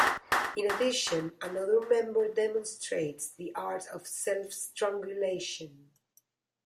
In addition, another member demonstrates the art of self-strangulation.